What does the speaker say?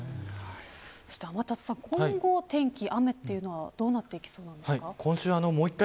そして天達さん、今後、お天気雨はどうなっていきそうなんですか。